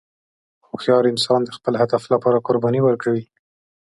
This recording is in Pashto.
هوښیار انسان د خپل هدف لپاره قرباني ورکوي.